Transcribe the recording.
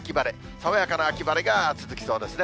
爽やかな秋晴れが続きそうですね。